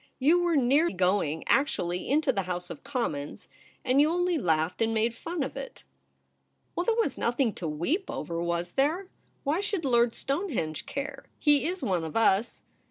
' You were near going actually into the House of Commons ; and you only laughed and made fun of it.' ' Well, there was nothing to weep over, was there ? Why should Lord Stonehenge care ? He is one of us.